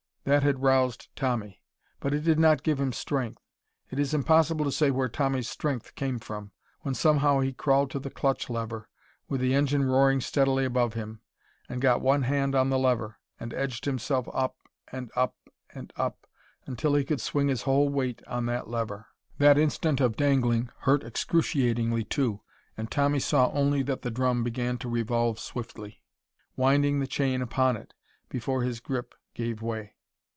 That had roused Tommy. But it did not give him strength. It is impossible to say where Tommy's strength came from, when somehow he crawled to the clutch lever, with the engine roaring steadily above him, and got one hand on the lever, and edged himself up, and up, and up, until he could swing his whole weight on that lever. That instant of dangling hurt excruciatingly, too, and Tommy saw only that the drum began to revolve swiftly, winding the chain upon it, before his grip gave way.